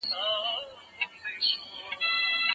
د سياستپوهني ځيني نيوکي راپورته سوي دي.